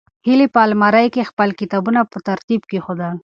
هیلې په المارۍ کې خپل کتابونه په ترتیب کېښودل.